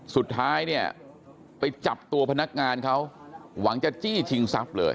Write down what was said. สุดท้ายเนี่ยไปจับตัวพนักงานเขาหวังจะจี้ชิงทรัพย์เลย